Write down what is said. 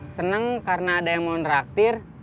seneng karena ada yang mau nerak tir